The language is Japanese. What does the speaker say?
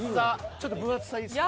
ちょっと分厚さいいですか。